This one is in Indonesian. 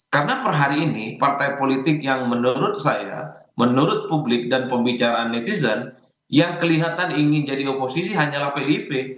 karena per hari ini partai politik yang menurut saya menurut publik dan pembicaraan netizen yang kelihatan ingin jadi oposisi hanyalah pdip